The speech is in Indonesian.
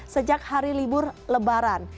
sejak hari libur lebaran